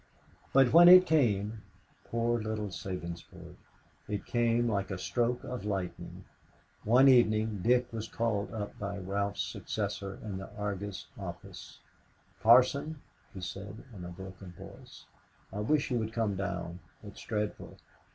But when it came poor little Sabinsport! It came like a stroke of lightning. One evening Dick was called up by Ralph's successor in the Argus office. "Parson," he said, in a broken voice, "I wish you would come down. It's dreadful!